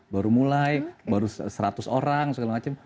baru mulai baru seratus orang segala macam